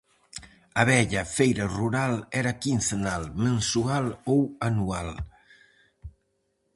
A vella feira rural era quincenal, mensual ou anual.